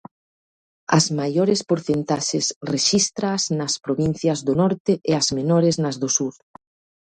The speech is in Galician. As maiores porcentaxes rexístraas nas provincias do norte e as menores nas do sur.